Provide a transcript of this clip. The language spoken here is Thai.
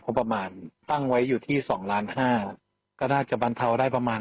ประมาณตั้งไว้อยู่ที่สองล้านห้าก็น่าจะบรรเทาได้ประมาณ